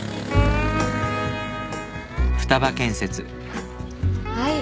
あっはい。